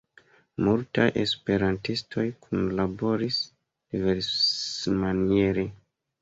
Multaj esperantistoj kunlaboris diversmaniere.